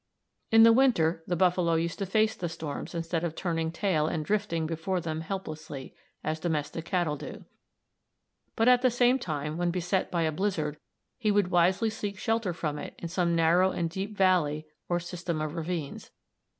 In winter the buffalo used to face the storms, instead of turning tail and "drifting" before them helplessly, as domestic cattle do. But at the same time, when beset by a blizzard, he would wisely seek shelter from it in some narrow and deep valley or system of ravines.